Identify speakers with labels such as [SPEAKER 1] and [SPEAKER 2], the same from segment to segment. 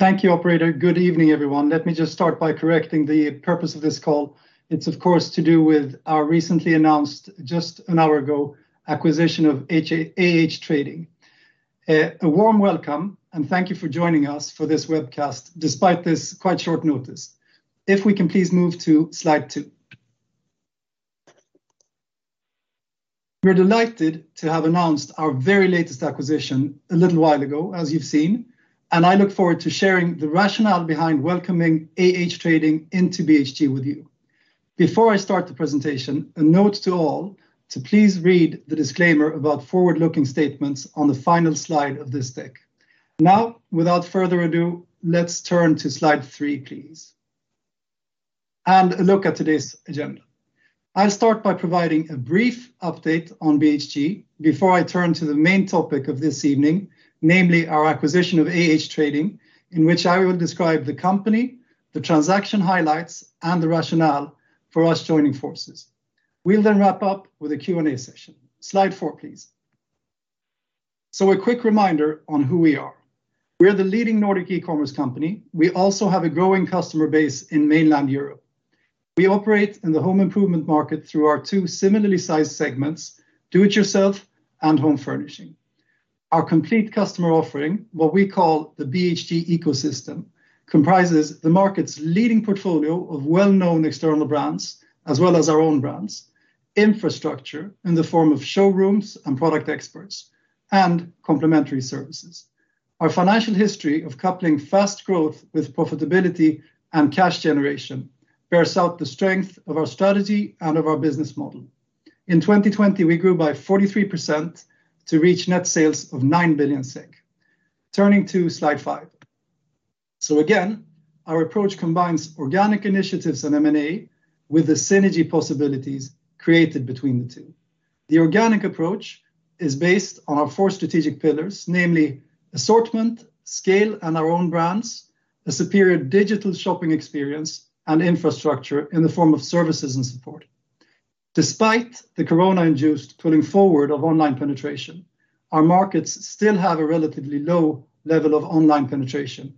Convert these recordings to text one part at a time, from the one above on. [SPEAKER 1] Thank you operator. Good evening, everyone. Let me just start by correcting the purpose of this call. It's of course to do with our recently announced, just an hour ago, acquisition of AH Trading. A warm welcome, and thank you for joining us for this webcast, despite this quite short notice. If we can please move to slide two. We're delighted to have announced our very latest acquisition a little while ago, as you've seen, and I look forward to sharing the rationale behind welcoming AH Trading into BHG with you. Before I start the presentation, a note to all to please read the disclaimer about forward-looking statements on the final slide of this deck. Now, without further ado, let's turn to slide three, please, and look at today's agenda. I'll start by providing a brief update on BHG before I turn to the main topic of this evening, namely our acquisition of AH Trading, in which I will describe the company, the transaction highlights, and the rationale for us joining forces. We'll wrap up with a Q&A session. Slide four, please. A quick reminder on who we are. We are the leading Nordic e-commerce company. We also have a growing customer base in mainland Europe. We operate in the home improvement market through our two similarly sized segments, do it yourself and home furnishing. Our complete customer offering, what we call the BHG ecosystem, comprises the market's leading portfolio of well-known external brands, as well as our own brands, infrastructure, in the form of showrooms and product experts, and complementary services. Our financial history of coupling fast growth with profitability and cash generation bears out the strength of our strategy and of our business model. In 2020, we grew by 43% to reach net sales of 9 billion SEK. Turning to Slide five. Again, our approach combines organic initiatives and M&A with the synergy possibilities created between the two. The organic approach is based on our four strategic pillars, namely assortment, scale, and our own brands, a superior digital shopping experience, and infrastructure in the form of services and support. Despite the Corona-induced pulling forward of online penetration, our markets still have a relatively low level of online penetration,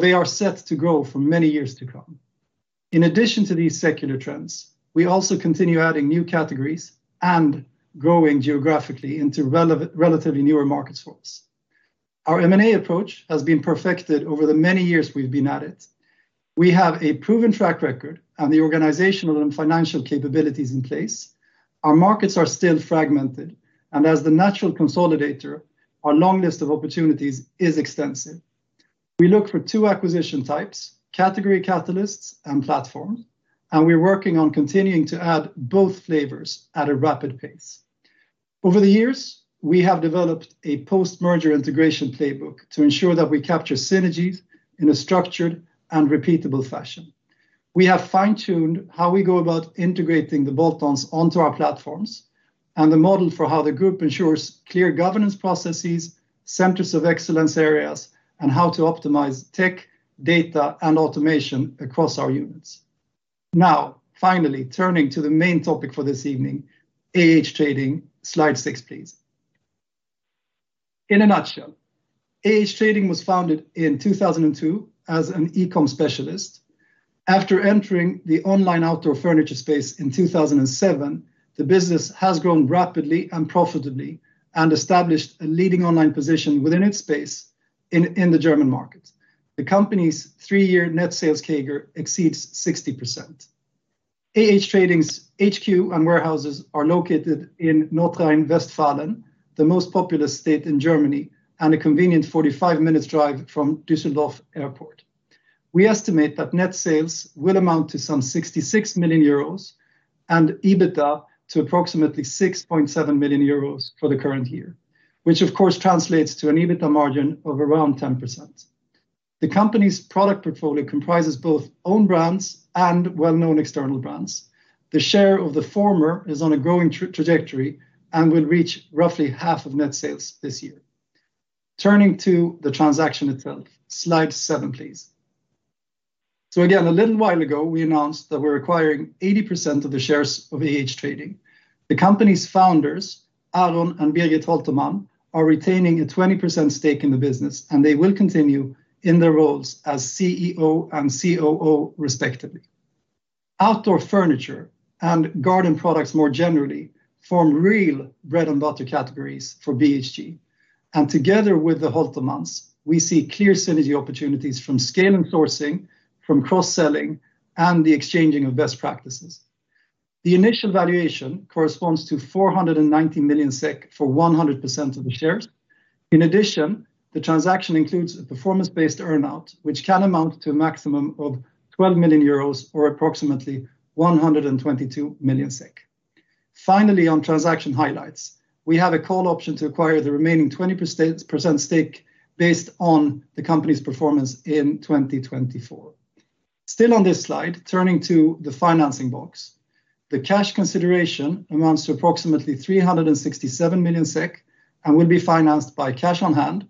[SPEAKER 1] they are set to grow for many years to come. In addition to these secular trends, we also continue adding new categories and growing geographically into relatively newer markets for us. Our M&A approach has been perfected over the many years we've been at it. We have a proven track record and the organizational and financial capabilities in place. Our markets are still fragmented, and as the natural consolidator, our long list of opportunities is extensive. We look for two acquisition types, category catalysts and platforms, and we're working on continuing to add both flavors at a rapid pace. Over the years, we have developed a post-merger integration playbook to ensure that we capture synergies in a structured and repeatable fashion. We have fine-tuned how we go about integrating the bolt-ons onto our platforms and the model for how the group ensures clear governance processes, centers of excellence areas, and how to optimize tech, data, and automation across our units. Finally, turning to the main topic for this evening, AH Trading. Slide six, please. In a nutshell, AH Trading was founded in 2002 as an e-com specialist. After entering the online outdoor furniture space in 2007, the business has grown rapidly and profitably and established a leading online position within its space in the German market. The company's three-year net sales CAGR exceeds 60%. AH Trading's HQ and warehouses are located in Nordrhein-Westfalen, the most populous state in Germany, and a convenient 45 minutes drive from Düsseldorf Airport. We estimate that net sales will amount to some 66 million euros and EBITDA to approximately 6.7 million euros for the current year, which of course translates to an EBITDA margin of around 10%. The company's product portfolio comprises both own brands and well-known external brands. The share of the former is on a growing trajectory and will reach roughly half of net sales this year. Turning to the transaction itself. Slide seven, please. Again, a little while ago, we announced that we're acquiring 80% of the shares of AH Trading. The company's founders, Aron and Birgit Holtermann, are retaining a 20% stake in the business, and they will continue in their roles as Chief Executive Officer and Chief Operating Officer, respectively. Outdoor furniture and garden products more generally form real bread and butter categories for BHG. Together with the Holtermanns, we see clear synergy opportunities from scale and sourcing, from cross-selling, and the exchanging of best practices. The initial valuation corresponds to 490 million SEK for 100% of the shares. In addition, the transaction includes a performance-based earn-out, which can amount to a maximum of 12 million euros or approximately 122 million SEK. Finally, on transaction highlights, we have a call option to acquire the remaining 20% stake based on the company's performance in 2024. Still on this slide, turning to the financing box. The cash consideration amounts to approximately 367 million SEK and will be financed by cash on hand.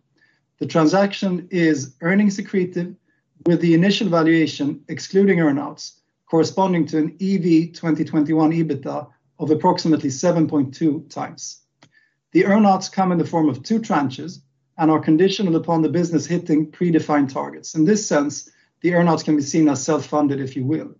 [SPEAKER 1] The transaction is earnings accretive. With the initial valuation excluding earn-outs corresponding to an EV/2021 EBITDA of approximately 7.2x. The earn-outs come in the form of two tranches and are conditional upon the business hitting predefined targets. In this sense, the earn-outs can be seen as self-funded if you will.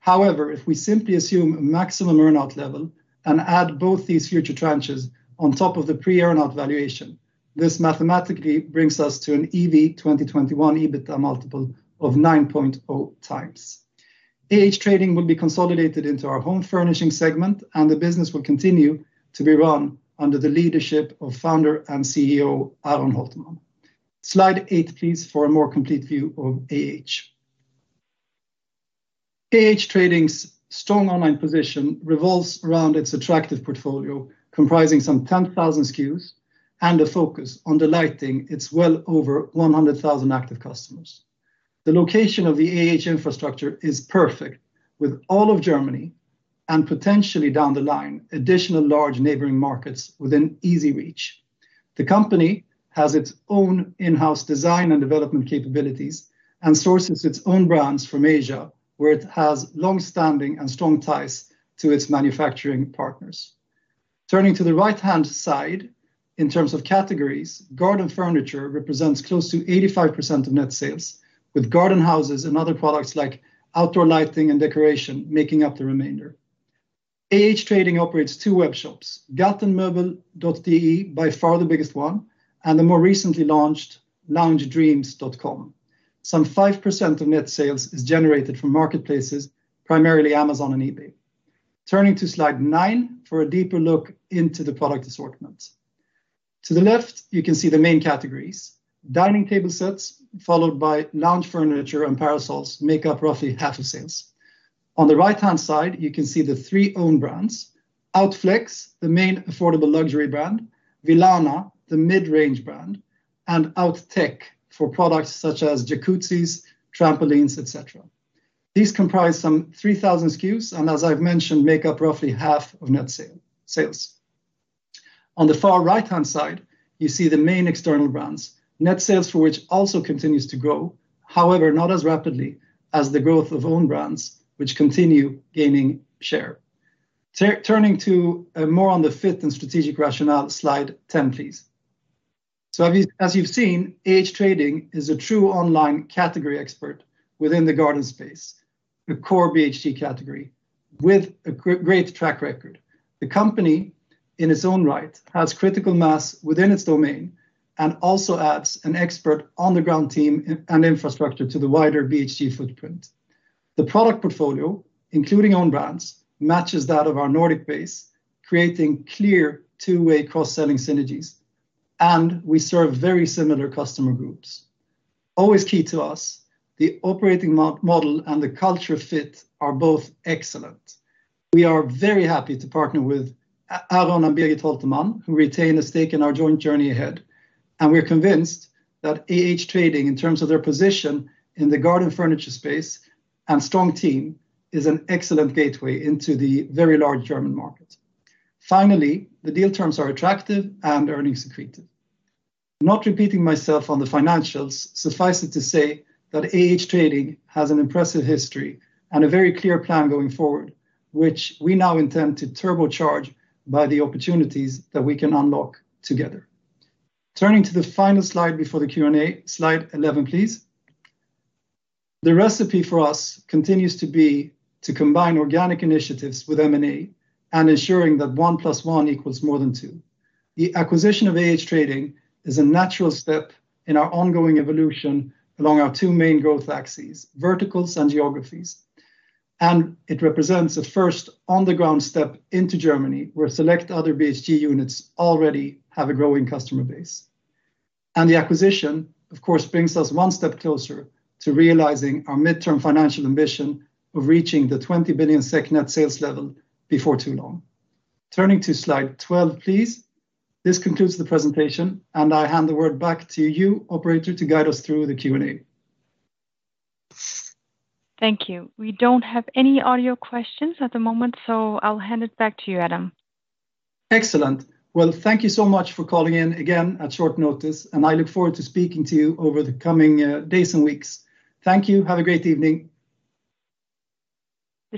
[SPEAKER 1] However, if we simply assume a maximum earn-out level and add both these future tranches on top of the pre-earn-out valuation, this mathematically brings us to an EV/2021 EBITDA multiple of 9.0x. AH Trading will be consolidated into our home furnishing segment, and the business will continue to be run under the leadership of founder and Chief Executive Officer Aron Holtermann. Slide eight, please, for a more complete view of AH. AH Trading's strong online position revolves around its attractive portfolio, comprising some 10,000 SKUs and a focus on delighting its well over 100,000 active customers. The location of the AH infrastructure is perfect, with all of Germany and potentially down the line, additional large neighboring markets within easy reach. The company has its own in-house design and development capabilities and sources its own brands from Asia, where it has long-standing and strong ties to its manufacturing partners. Turning to the right-hand side, in terms of categories, garden furniture represents close to 85% of net sales, with garden houses and other products like outdoor lighting and decoration making up the remainder. AH Trading operates two web shops, gartenmoebel.de by far the biggest one, and the more recently launched loungedreams.com. Some 5% of net sales is generated from marketplaces, primarily Amazon and eBay. Turning to slide nine for a deeper look into the product assortment. To the left, you can see the main categories. Dining table sets, followed by lounge furniture and parasols make up roughly half of sales. On the right-hand side, you can see the three own brands, OUTFLEXX, the main affordable luxury brand, Villana, the mid-range brand, and OUTTECH for products such as jacuzzis, trampolines, et cetera. These comprise some 3,000 SKUs, and as I've mentioned, make up roughly half of net sales. On the far right-hand side, you see the main external brands, net sales for which also continues to grow, however, not as rapidly as the growth of own brands, which continue gaining share. Turning to more on the fit and strategic rationale, slide 10, please. As you've seen, AH Trading is a true online category expert within the garden space, the core BHG category, with a great track record. The company, in its own right, has critical mass within its domain and also adds an expert on-the-ground team and infrastructure to the wider BHG footprint. The product portfolio, including own brands, matches that of our Nordic base, creating clear two-way cross-selling synergies, we serve very similar customer groups. Always key to us, the operating model and the culture fit are both excellent. We are very happy to partner with Aron and Birgit Holtermann who retain a stake in our joint journey ahead, we're convinced that AH Trading in terms of their position in the garden furniture space and strong team is an excellent gateway into the very large German market. Finally, the deal terms are attractive and earnings accretive. Not repeating myself on the financials, suffice it to say that AH Trading has an impressive history and a very clear plan going forward, which we now intend to turbocharge by the opportunities that we can unlock together. Turning to the final slide before the Q&A, slide 11, please. The recipe for us continues to be to combine organic initiatives with M&A and ensuring that one plus one equals more than two. The acquisition of AH Trading is a natural step in our ongoing evolution along our two main growth axes, verticals and geographies. It represents a first on-the-ground step into Germany, where select other BHG units already have a growing customer base. The acquisition, of course, brings us one step closer to realizing our midterm financial ambition of reaching the 20 billion SEK net sales level before too long. Turning to slide 12, please. This concludes the presentation, I hand the word back to you, operator, to guide us through the Q&A.
[SPEAKER 2] Thank you. We don't have any audio questions at the moment, I'll hand it back to you, Adam.
[SPEAKER 1] Excellent. Well, thank you so much for calling in again at short notice, I look forward to speaking to you over the coming days and weeks. Thank you. Have a great evening.